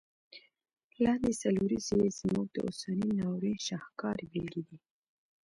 لاندي څلوریځي یې زموږ د اوسني ناورین شاهکاري بیلګي دي.